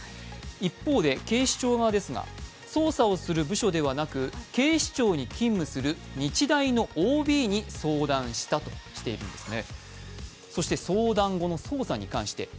一方で警視庁側は、捜査をする部署ではなく警視庁に勤務する日大のＯＢに相談したとしているんですね。